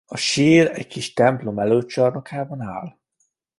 A sír egy kis templom előcsarnokában áll.